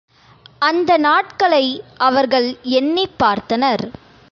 அந்த நாட்களை அவர்கள் எண்ணிப் பார்த்தனர்.